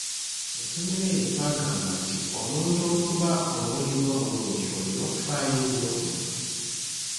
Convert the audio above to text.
Mu ssomo eryo twagamba nti omuntu okuba omuwuliriza omulungi olina okufaayo ennyo ku ddoboozi.